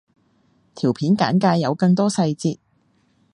條片簡介有更多細節